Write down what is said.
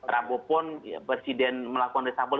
rabopon presiden melakukan reshuffle